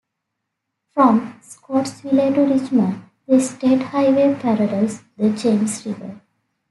From Scottsville to Richmond, the state highway parallels the James River.